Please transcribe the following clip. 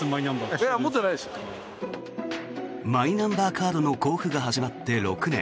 マイナンバーカードの交付が始まって６年。